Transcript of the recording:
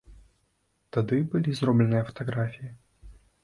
Тады і былі зробленыя фатаграфіі.